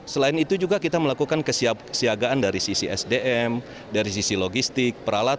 selain itu juga kita melakukan kesiagaan dari sisi sdm dari sisi logistik peralatan